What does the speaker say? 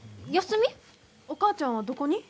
お母ちゃんはどこに？